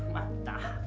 wah ini udah